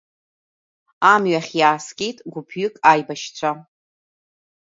Амҩахь иааскьеит гәыԥҩык аибашьцәа.